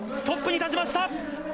７９．５８、トップに立ちました。